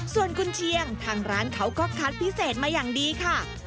ส่วนกุญเชียงทางร้านเขาก็คัดพิเศษมาอย่างดีค่ะ